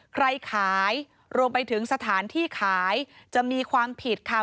ใครขายรวมไปถึงสถานที่ขายจะมีความผิดค่ะ